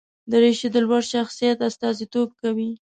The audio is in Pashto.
دریشي د لوړ شخصیت استازیتوب کوي.